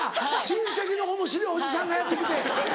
親戚のおもしろいおじさんがやって来て。